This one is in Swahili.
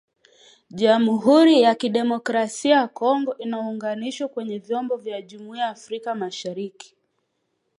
jamhuri ya kidemokrasia ya Kongo inaunganishwa kwenye vyombo vya jumuia ya Afrika mashariki